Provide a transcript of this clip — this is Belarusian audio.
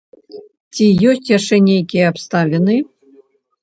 Ці ёсць яшчэ нейкія абставіны?